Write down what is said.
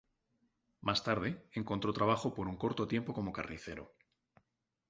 Más tarde, encontró trabajo por un corto tiempo como carnicero.